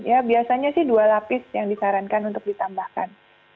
ya biasanya sih dua lapis yang disarankan untuk ditambahkan